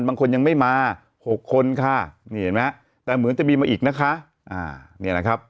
บางคนยังไม่มาหกคนค่ะนี่เห็นไหมแต่เหมือนจะมีมาอีกนะคะอ่าเนี่ยนะครับ